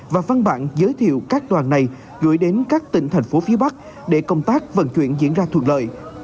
và văn bản giới thiệu các đoàn này gửi đến các tỉnh thành phố phía bắc để công tác vận chuyển diễn ra thuận lợi